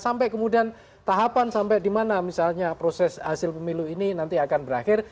sampai kemudian tahapan sampai di mana misalnya proses hasil pemilu ini nanti akan berakhir